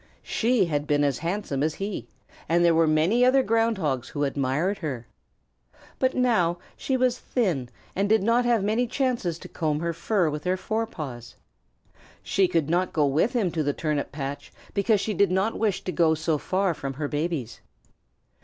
She had been as handsome as he, and there were many other Ground Hogs who admired her. But now she was thin and did not have many chances to comb her fur with her fore paws. She could not go with him to the turnip patch because she did not wish to go so far from her babies.